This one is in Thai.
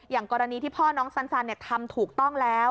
อย่างกรณีที่พ่อน้องสันทำถูกต้องแล้ว